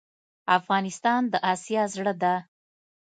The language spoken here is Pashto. افغانستان د آسیا زړه ده.